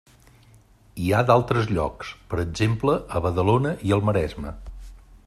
Hi ha d'altres llocs, per exemple a Badalona i al Maresme.